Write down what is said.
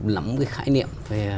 lắm cái khái niệm